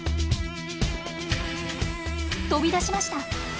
飛び出しました！